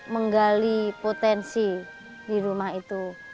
menggali potensi di rumah itu